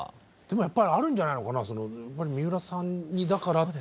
でもやっぱりあるんじゃないのかな三浦さんにだからっていうのはね。